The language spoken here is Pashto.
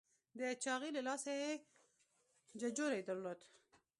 د چاغي له لاسه یې ججوری درلود.